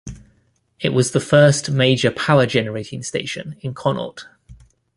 It was the first major power generating station in Connaught.